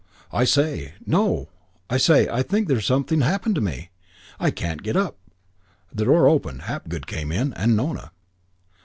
"I say No. I say, I think something's happened to me. I can't get up." The door opened. Hapgood came in, and Nona.